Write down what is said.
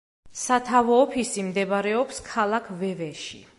სათავო ოფისი მდებარეობს ქალაქ ვევეში.